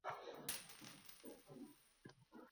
ayniqsa u bunday sifatlarni uyda namoyish qilmagan bo‘lsa.